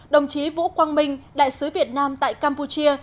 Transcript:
đồng chí vũ quang minh đại sứ việt nam tại campuchia